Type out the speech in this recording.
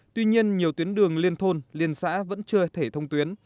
tuy nhiên nhiều tuyến đường liên thôn liên xã vẫn chưa thể thông tuyến